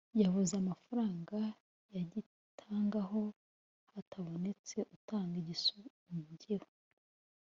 Yavuze amafaranga yagitangaho hatabonetse utanga igisumbyeho